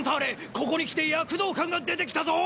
ここにきて躍動感が出てきたぞ！